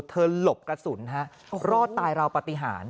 หลบกระสุนรอดตายราวปฏิหาร